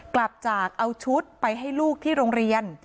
กลับจากเอาชุดไปให้ลูกที่โรงเรียน